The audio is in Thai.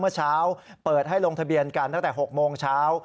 เมื่อเช้าเปิดให้ลงทะเบียนกันตั้งแต่๖โมงเช้า